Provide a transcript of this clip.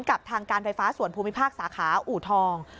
กับทางการไฟฟ้าส่วนภูมิภาคสาขาอูทอง